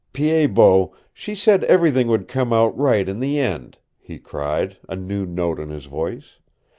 "Pied Bot, she said everything would come out right in the end," he cried, a new note in his voice.